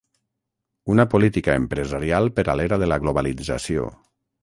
Una política empresarial per a l'era de la globalització.